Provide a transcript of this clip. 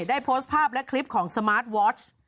ได้โพสต์ภาพและคลิปของสมาร์ทวอช